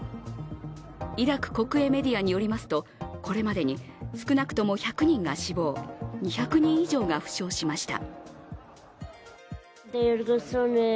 イラク国営メディアによりますと、これまでに少なくとも１００人が死亡、２００人以上が負傷しました。